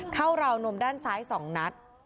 ราวนมด้านซ้าย๒นัด